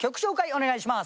お願いします。